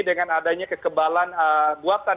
dengan adanya kekebalan buatan